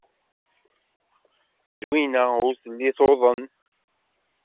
Zwina ur telli tuḍen.